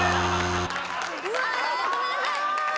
うわ！ごめんなさい！